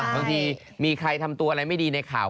บางทีมีใครทำตัวอะไรไม่ดีในข่าว